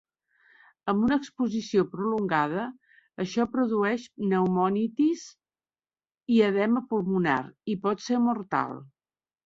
Amb una exposició prolongada, això produeix pneumonitis i edema pulmonar, i pot ser mortal.